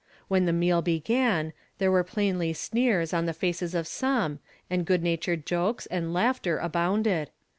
When the meal began, there were [)laiidy sneers on the faces of some, and good natured jokes and laughter abounded.